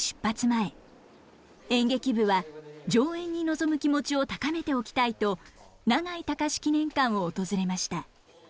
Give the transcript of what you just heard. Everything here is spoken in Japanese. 前演劇部は上演に臨む気持ちを高めておきたいと永井隆記念館を訪れました。